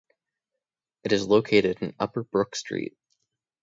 It is located in Upper Brook Street.